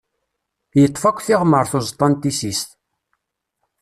Yeṭṭef akk tiɣmert uẓeṭṭa n tissist.